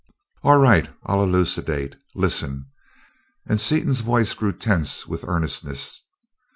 "All right, I'll elucidate. Listen!" and Seaton's voice grew tense with earnestness.